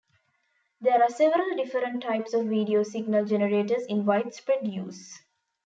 There are several different types of video signal generators in widespread use.